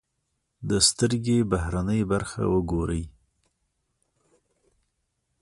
د سترکې بهرنۍ برخه و ګورئ.